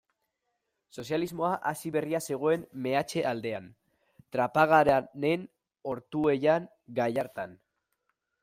Sozialismoa hasi berria zegoen meatze-aldean, Trapagaranen, Ortuellan, Gallartan.